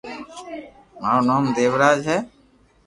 مارو نوم ديوراج ھئ